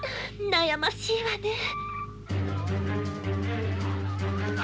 悩ましいわねえ。